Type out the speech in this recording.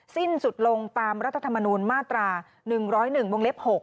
สิ้นสุดลงตามรัฐธรรมนูลมาตรา๑๐๑วงเล็บ๖